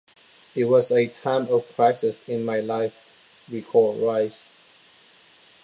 "It was a time of crisis in my life," recalled Rice.